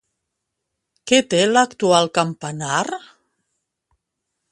Què té l'actual campanar?